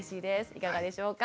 いかがでしょうか。